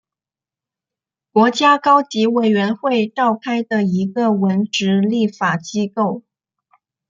国家高级委员会召开的一个文职立法机构。